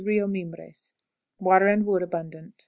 Rio Mimbres. Water and wood abundant.